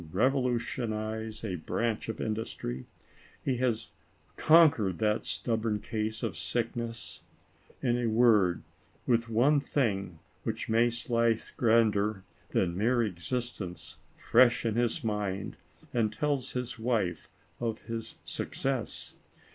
revolutionize a branch of industry, he has con quered that stubborn case of sickness — in a word, with the one thing which makes life grander than mere existence, fresh in his mind, and tells* his wife of his success.